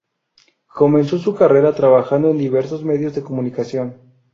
Comenzó su carrera trabajando en diversos medios de comunicación.